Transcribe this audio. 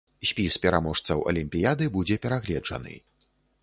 Спіс пераможцаў алімпіяды будзе перагледжаны.